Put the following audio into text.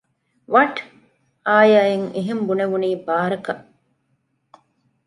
ވަޓް؟ އާޔާ އަށް އެހެން ބުނެވުނީ ބާރަކަށް